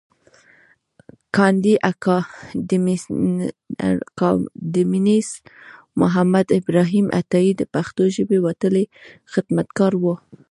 کاندي اکاډميسنمحمد ابراهیم عطایي د پښتو ژبې وتلی خدمتګار و.